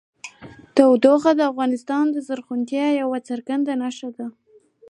تودوخه د افغانستان د زرغونتیا یوه څرګنده نښه ده.